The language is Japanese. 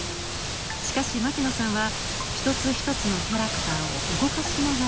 しかし牧野さんは一つ一つのキャラクターを動かしながら撮影。